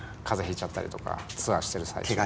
ひいちゃったりとかツアーしてる最中に。